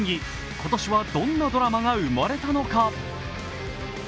今年はどんなドラマが生まれたのか。